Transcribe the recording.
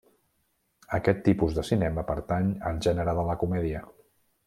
Aquest tipus de cinema pertany al gènere de la comèdia.